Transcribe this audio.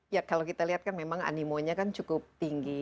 ya kalau kita lihat kan memang animonya kan cukup tinggi